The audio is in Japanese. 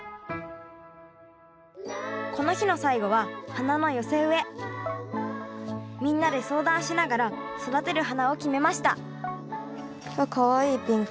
この日の最後はみんなで相談しながら育てる花を決めましたわっかわいいピンク。